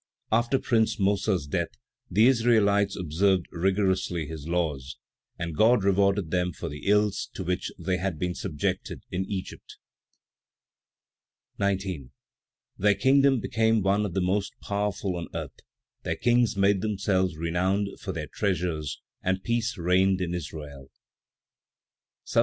After Prince Mossa's death, the Israelites observed rigorously his laws; and God rewarded them for the ills to which they had been subjected in Egypt. 19. Their kingdom became one of the most powerful on earth; their kings made themselves renowned for their treasures, and peace reigned in Israel. III.